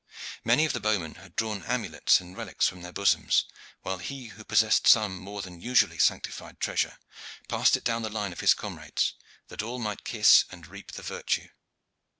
Many of the bowmen had drawn amulets and relics from their bosoms, while he who possessed some more than usually sanctified treasure passed it down the line of his comrades, that all might kiss and reap the virtue.